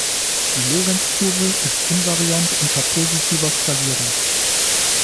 Die Lorenz-Kurve ist invariant unter positiver Skalierung.